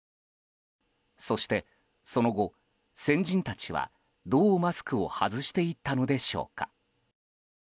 そしてその後、先人たちはどうマスクを外していったのでしょうか。